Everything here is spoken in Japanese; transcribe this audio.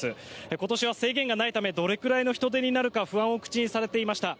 今年は制限がないためどれくらいの人出になるか不安を口にされていました。